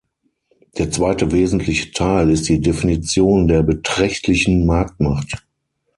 Der zweite wesentliche Teil ist die Definition der beträchtlichen Marktmacht.